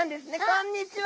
こんにちは！